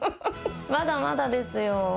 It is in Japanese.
まだまだですよ。